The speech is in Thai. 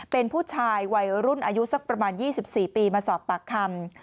เป็นผู้ชายวัยรุ่นอายุสักประมาณ๒๔ปีมาสอบปากคำ